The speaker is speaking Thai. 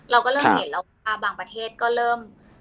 เราก็เริ่มเห็นแล้วบางประเทศก็เริ่ม